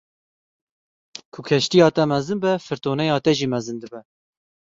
Ku keştiya te mezin be, firtoneya te jî mezin dibe.